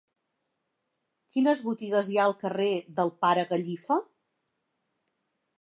Quines botigues hi ha al carrer del Pare Gallifa?